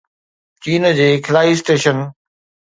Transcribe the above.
چين جي خلائي اسٽيشن